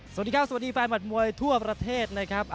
สวัสดีครับสวัสดีแฟนมัดมวยทั่วประเทศนะครับ